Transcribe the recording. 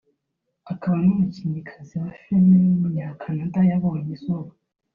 akaba n’umukinnyikazi wa film w’umunya-Canada yabonye izuba